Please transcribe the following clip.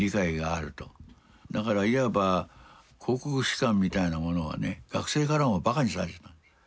だからいわば「皇国史観」みたいなものはね学生からもバカにされてたんです。